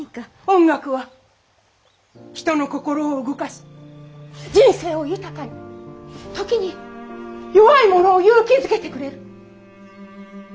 音楽は人の心を動かし人生を豊かに時に弱い者を勇気づけてくれる。